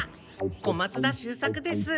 小松田秀作です。